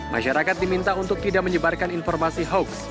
masyarakat diminta untuk tidak menyebarkan informasi hoax